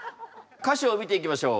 歌詞を見ていきましょう。